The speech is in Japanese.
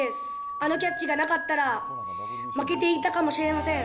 あのキャッチがなかったら、負けていたかもしれません。